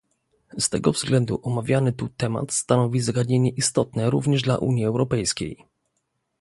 Z tego względu omawiany tu temat stanowi zagadnienie istotne również dla Unii Europejskiej